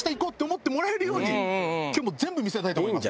今日全部見せたいと思います。